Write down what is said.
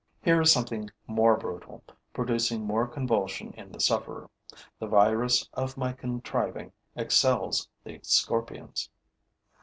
Here is something more brutal, producing more convulsion in the sufferer. The virus of my contriving excels the scorpion's.